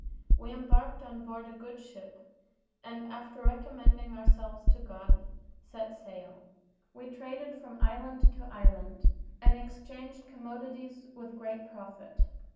We embarked on board a good ship, and, after recommending ourselves to God, set sail. We traded from island to island, and exchanged commodities with great profit.